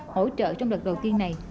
hỗ trợ trong đợt đầu tiên này